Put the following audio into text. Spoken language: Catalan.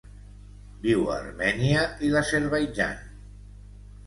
Viu a Armènia i l'Azerbaidjan.